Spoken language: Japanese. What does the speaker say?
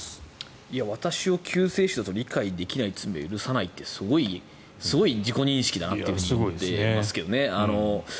私を救世主だと理解できない罪は許さないってすごい自己認識だなと思いますけどね。